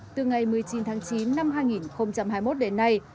từ ngày một mươi chín tháng chín năm hai nghìn hai mươi một đến nay